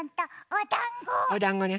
おだんごね。